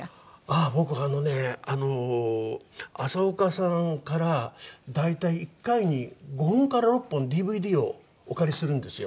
あの浅丘さんから大体１回に５本から６本ＤＶＤをお借りするんですよ。